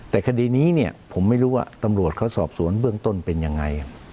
แต่คดีนี้เนี่ยผมไม่รู้ว่าตำรวจเขาสอบสวนเบื้องต้นเป็นยังไง